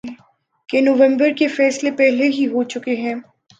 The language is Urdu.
کہ نومبر کے فیصلے پہلے ہی ہو چکے ہیں۔